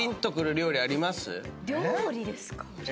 料理ですか？